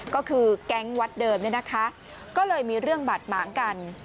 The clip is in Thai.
ก็คือแก๊งวัดเดิมเนี่ยนะคะก็เลยมีเรื่องบาดหมางกัน